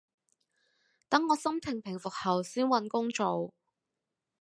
等我心情平復後先搵工做